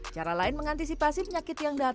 cara lain mengantisipasi penyakit yang dapat